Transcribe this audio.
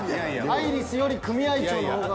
「アイリス」より組合長の方が。